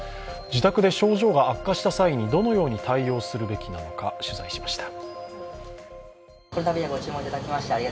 自宅で症状が悪化した際にどのように対応するべきなのか、取材しました。